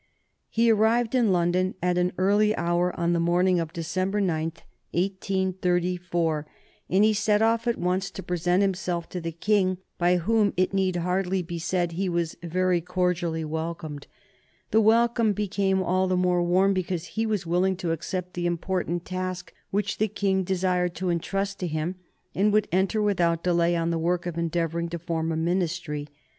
He arrived in London at an early hour on the morning of December 9, 1834, and he set off at once to present himself to the King, by whom, it need hardly be said, he was very cordially welcomed. The welcome became all the more warm because he was willing to accept the important task which the King desired to intrust to him, and would enter without delay on the work of endeavoring to form a Ministry.